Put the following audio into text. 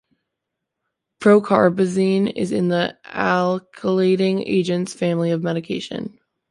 Procarbazine is in the alkylating agents family of medication.